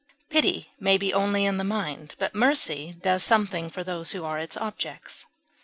Pity may be only in the mind, but mercy does something for those who are its objects.